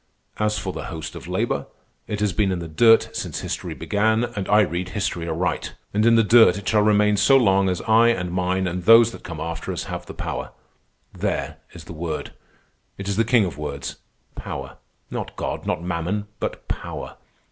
As for the host of labor, it has been in the dirt since history began, and I read history aright. And in the dirt it shall remain so long as I and mine and those that come after us have the power. There is the word. It is the king of words—Power. Not God, not Mammon, but Power.